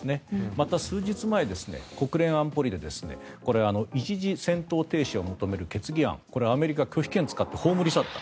また、数日前、国連安保理で一時戦闘停止を求める決議案アメリカは拒否権を使って葬り去った。